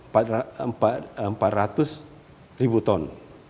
samaranya empat ribu ton